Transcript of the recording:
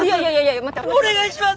お願いします！